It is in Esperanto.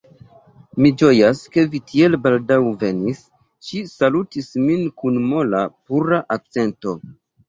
Mi ĝojas, ke vi tiel baldaŭ venis, ŝi salutis min kun mola, pura akcento.